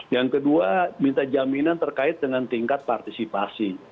yang kedua minta jaminan terkait dengan tingkat partisipasi